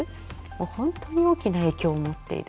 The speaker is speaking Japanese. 本当に大きな影響を持っている。